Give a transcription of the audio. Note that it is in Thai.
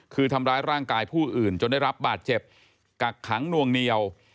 คือทำร้ายร่างกายผู้อื่นจนได้รับบาดเจ็บกักขังนวงเหนียว